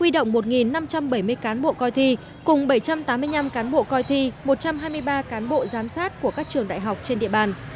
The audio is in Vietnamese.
động một năm trăm bảy mươi cán bộ coi thi cùng bảy trăm tám mươi năm cán bộ coi thi một trăm hai mươi ba cán bộ giám sát của các trường đại học trên địa bàn